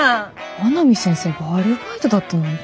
阿南先生がアルバイトだったなんて。